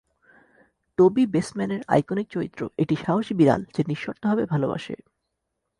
টোবি বেসম্যানের আইকনিক চরিত্র, একটি সাহসী বিড়াল যে নিঃশর্তভাবে ভালবাসে।